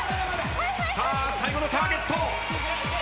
さあ最後のターゲット。